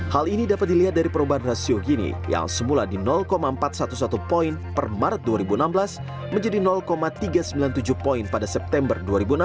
hal ini dapat dilihat dari perubahan rasio gini yang semula di empat ratus sebelas poin per maret dua ribu enam belas menjadi tiga ratus sembilan puluh tujuh poin pada september dua ribu enam belas